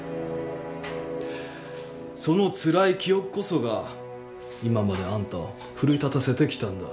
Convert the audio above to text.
そのつらい記憶こそが今まであんたを奮い立たせてきたんだ。